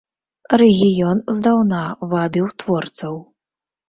Рэгіён здаўна вабіў творцаў.